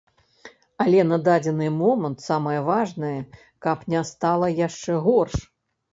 Але на дадзены момант самае важнае, каб не стала яшчэ горш.